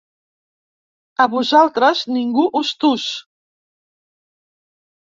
A vosaltres ningú us tus.